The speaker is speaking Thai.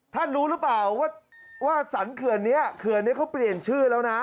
ท่านรู้หรือเปล่าว่าสรรเขื่อนนี้เขื่อนนี้เขาเปลี่ยนชื่อแล้วนะ